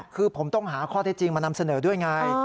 คือผมต้องหาข้อเท็จจริงมานำเสนอด้วยไง